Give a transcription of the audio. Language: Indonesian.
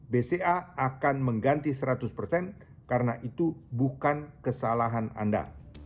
bca akan mengganti seratus persen karena itu bukan kesalahan anda